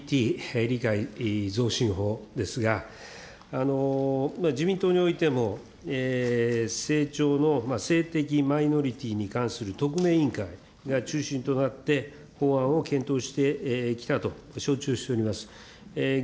理解増進法ですが、自民党においても、政調の性的マイノリティに関する特命委員会が中心となって、法案を検討してきたと承知をしております。